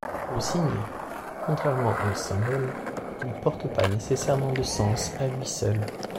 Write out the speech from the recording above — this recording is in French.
Le signe, contrairement au symbole, ne porte pas nécessairement de sens à lui seul.